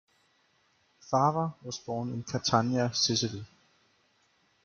Fava was born in Catania, Sicily.